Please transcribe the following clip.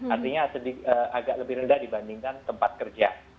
artinya agak lebih rendah dibandingkan tempat kerja